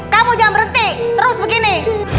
kamu jangan berhenti terus begini